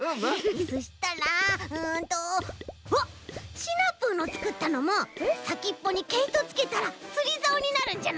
そしたらうんとシナプーのつくったのもさきっぽにけいとつけたらつりざおになるんじゃない？